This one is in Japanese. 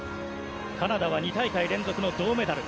カナダは２大会連続の銅メダル。